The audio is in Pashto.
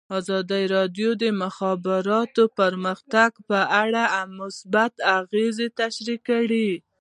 ازادي راډیو د د مخابراتو پرمختګ په اړه مثبت اغېزې تشریح کړي.